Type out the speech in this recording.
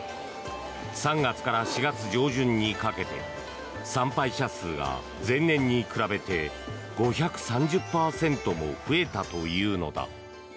３月から４月上旬にかけて参拝者数が、前年に比べて５３０％も増えたというのだ。